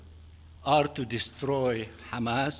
adalah untuk mencari keamanan hamas